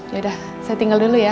yaudah saya tinggal dulu ya